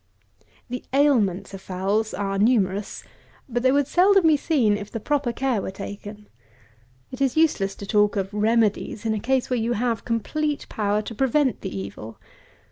179. The ailments of fowls are numerous, but they would seldom be seen, if the proper care were taken. It is useless to talk of remedies in a case where you have complete power to prevent the evil.